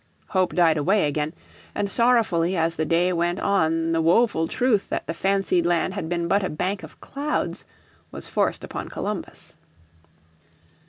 Hope died away again, and sorrowfully as the day went on the woeful truth that the fancied land had been but a bank of clouds was forced upon Columbus.